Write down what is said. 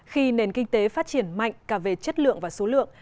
khi nền kinh tế phát triển mạnh cả về chất lượng và số lượng